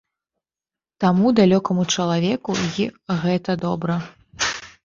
Таму далёкаму чалавеку й гэта добра.